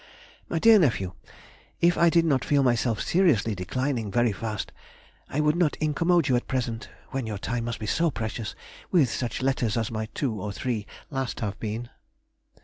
My dear nephew, if I did not feel myself seriously declining very fast, I would not incommode you at present (when your time must be so precious) with such letters as my two or three last have been.